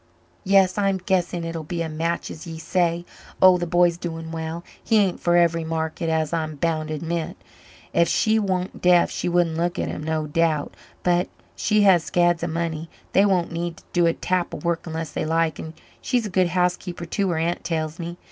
"Yes, I'm guessing it'll be a match as ye say. Oh the b'y's doing well. He ain't for every market, as I'm bound to admit. Ef she wan't deaf she wouldn't look at him, no doubt. But she has scads of money they won't need to do a tap of work unless they like and she's a good housekeeper too her aunt tells me.